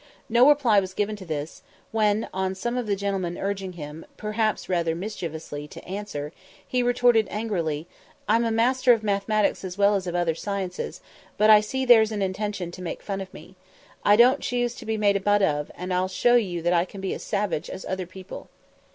No reply was given to this, when, on some of the gentlemen urging him, perhaps rather mischievously, to answer, he retorted angrily, "I'm master of mathematics as well as of other sciences; but I see there's an intention to make fun of me. I don't choose to be made a butt of, and I'll show you that I can be as savage as other people."